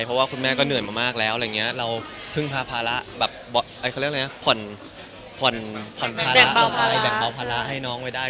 เพราะว่าคุณแม่ก็เหนื่อยมากแล้วเราเพิ่งพาภาระแบ่งเบาภาระให้น้องไว้ได้